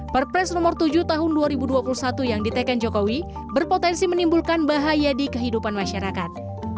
perpres nomor tujuh tahun dua ribu dua puluh satu yang ditekan jokowi berpotensi menimbulkan bahaya di kehidupan masyarakat